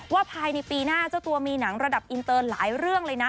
ภายในปีหน้าเจ้าตัวมีหนังระดับอินเตอร์หลายเรื่องเลยนะ